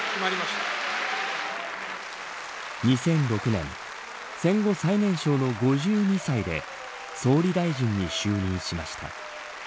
２００６年戦後最年少の５２歳で総理大臣に就任しました。